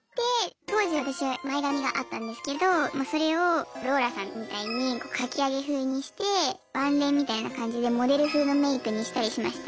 当時私前髪があったんですけどそれをローラさんみたいにかきあげ風にしてワンレンみたいな感じでモデル風のメークにしたりしました。